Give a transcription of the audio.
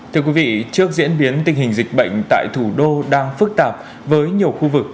thưa quý vị trước diễn biến tình hình dịch bệnh tại thủ đô đang phức tạp với nhiều khu vực